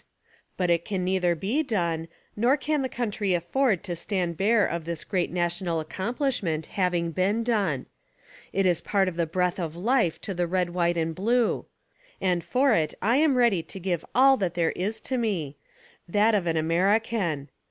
But it can neither be done, nor can the country afford to stand bare of this great national accomplishment having been done: "It is part of the breath of life to the 'Red, white and blue,'" And for it I am ready to give all that there is to me: That_ of an American.